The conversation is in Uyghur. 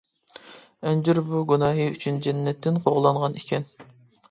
ئەنجۈر بۇ گۇناھى ئۈچۈن جەننەتتىن قوغلانغان ئىكەن.